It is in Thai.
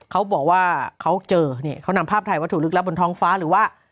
เขาบอกว่าเขาเจอเนี่ยเขานำภาพถ่ายวัตถุลึกลับบนท้องฟ้าหรือว่า